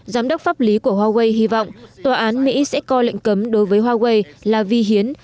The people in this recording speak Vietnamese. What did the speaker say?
giám đốc pháp lý của huawei hy vọng tòa án mỹ sẽ co lệnh cấm đối với huawei là vi hiến